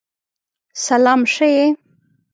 سلام شه یی!